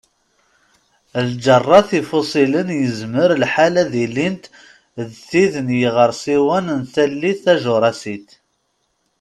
Lǧerrat ifuṣilen yezmer lḥal ad ilint d tid n yiɣersiwen n tallit Tajurasit.